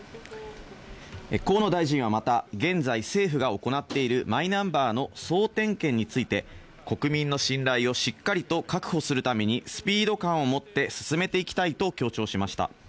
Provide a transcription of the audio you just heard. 河野大臣はまた、現在、政府が行っているマイナンバーの総点検について、国民の信頼をしっかりと確保するために、スピード感をもって進めていきたいと強調しました。